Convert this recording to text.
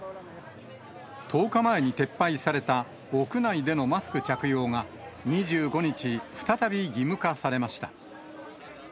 １０日前に撤廃された屋内でのマスク着用が、２５日、再び義務化されました。